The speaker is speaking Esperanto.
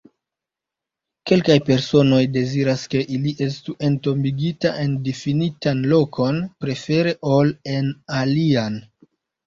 Kelkaj personoj deziras ke ili estu entombigitaj en difinitan lokon, prefere ol en alian.